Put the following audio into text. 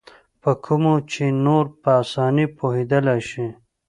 په کومو چې نور په اسانۍ پوهېدلای شي.